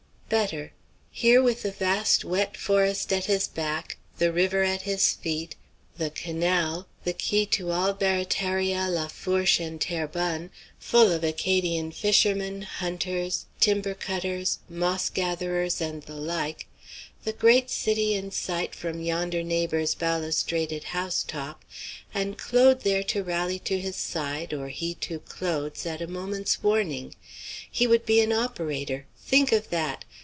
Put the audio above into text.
Better: here with the vast wet forest at his back; the river at his feet; the canal, the key to all Barataria, Lafourche, and Terrebonne, full of Acadian fishermen, hunters, timber cutters, moss gatherers, and the like; the great city in sight from yonder neighbor's balustraded house top; and Claude there to rally to his side or he to Claude's at a moment's warning; he would be an operator think of that!